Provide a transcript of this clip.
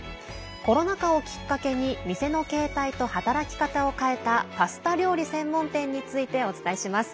コロナ禍をきっかけに店の形態と働き方を変えたパスタ料理専門店についてお伝えします。